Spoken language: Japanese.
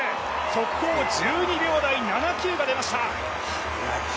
速報１２秒７９が出ました。